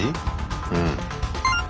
うん。